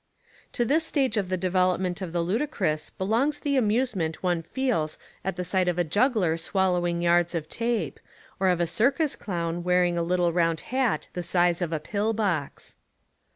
To this stage of the development of the ludi crous belongs the amusement one feels at the sight of a juggler swallowing yards of tape, or of a circus clown wearing a little round hat the size of a pill box.